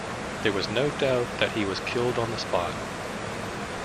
There is no doubt that he was killed on the spot.